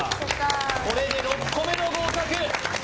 これで６個目の合格